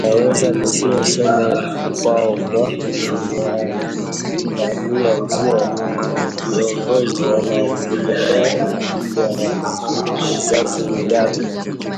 linaweza lisiwe somo kwao kwa kuwaandalia njia viongozi wanaokuja kwa ajili ya vizazi vijavyo